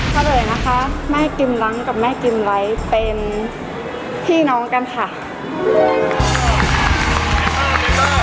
เฉลยนะคะแม่กิมหลังกับแม่กิมไว้เป็นพี่น้องกันค่ะ